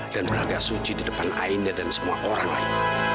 dan beragak suci di depan aina dan semua orang lain